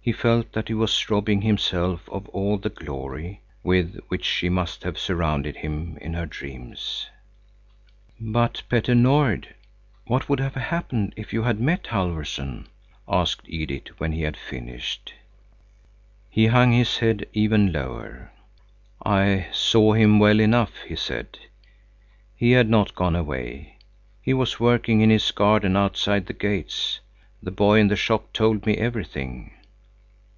He felt that he was robbing himself of all the glory with which she must have surrounded him in her dreams. "But Petter Nord, what would have happened if you had met Halfvorson?" asked Edith, when he had finished. He hung his head even lower. "I saw him well enough," he said. "He had not gone away. He was working in his garden outside the gates. The boy in the shop told me everything."